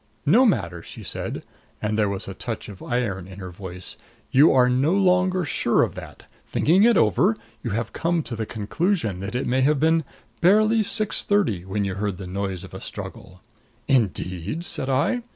"No matter," she said, and there was a touch of iron in her voice. "You are no longer sure of that. Thinking it over, you have come to the conclusion that it may have been barely six thirty when you heard the noise of a struggle." "Indeed?" said I.